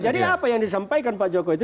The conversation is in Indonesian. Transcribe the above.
jadi apa yang disampaikan pak jokowi itu